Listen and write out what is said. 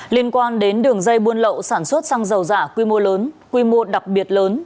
liên quan đến đường dây buôn lậu sản xuất xăng dầu giả quy mô lớn quy mô đặc biệt lớn